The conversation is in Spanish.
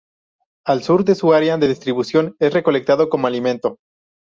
Al sur de su área de distribución es recolectado como alimento.